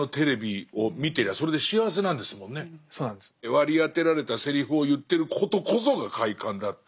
割り当てられたセリフを言ってることこそが快感だって。